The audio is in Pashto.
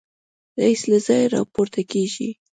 رییس له ځایه راپورته کېږي.